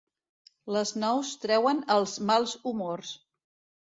Les nous treuen els mals humors.